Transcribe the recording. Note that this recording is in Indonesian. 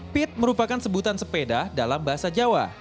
pit merupakan sebutan sepeda dalam bahasa jawa